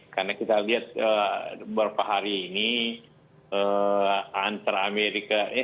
karena kita lihat beberapa hari ini antara amerika